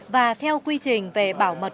và theo quy trình về bảo mật